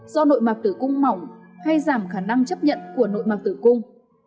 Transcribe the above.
do nội mạc tử cung mỏng hay giảm khả năng chấp nhận của nội mạc tử cung